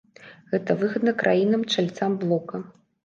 Гэта выгадна краінам-чальцам блока.